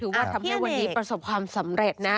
ว่าทำให้วันนี้ประสบความสำเร็จนะ